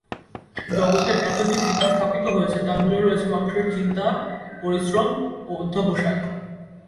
জগতের এত যে কীর্তি স্থাপিত হয়েছে তার মূলে রয়েছে মানুষের চিন্তা, পরিশ্রম ও অধ্যবসায়।